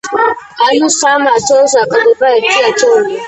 ანუ სამ ათეულს აკლდება ერთი ათეული.